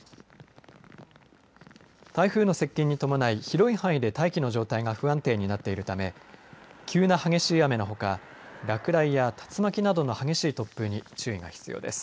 台風の接近に伴い広い範囲で大気の状態が不安定になっているため急な激しい雨のほか落雷や竜巻などの激しい突風に注意が必要です。